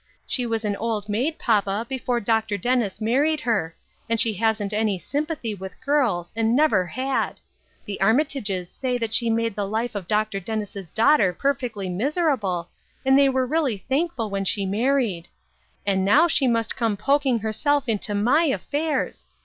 She was an old maid, papa, before Dr. Dennis married her. and she hasn't any sympathy with girls, and never had. The Armitages say she made the life of Dr. Dennis' daughter per fectly miserable, and they were really thankful when she married. And now she must come pok ing herself into my affairs.